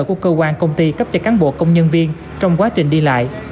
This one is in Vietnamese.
của cơ quan công ty cấp cho cán bộ công nhân viên trong quá trình đi lại